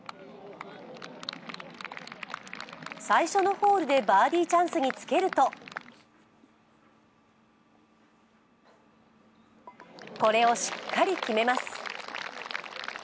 最初のホールでバーディーチャンスにつけるとこれをしっかり決めます。